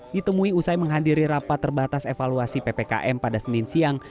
ditemui usai menghadiri rapat terbatas evaluasi ppkm pada senin siang